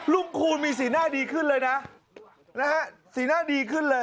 คูณมีสีหน้าดีขึ้นเลยนะนะฮะสีหน้าดีขึ้นเลย